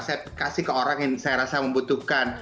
saya kasih ke orang yang saya rasa membutuhkan